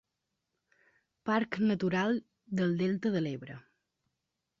Parc Natural del Delta de l'Ebre.